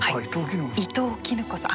伊東絹子さん。